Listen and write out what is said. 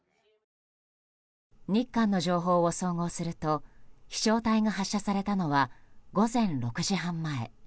日韓の情報を総合すると飛翔体が発射されたのは午前６時半前。